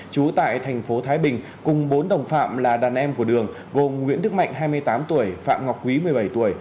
trú tại thành phố thái bình cùng bốn đồng phạm là đàn em của đường gồm nguyễn đức mạnh hai mươi tám tuổi phạm ngọc quý một mươi bảy tuổi